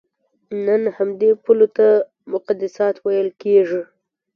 نن همدې پولو ته مقدسات ویل کېږي.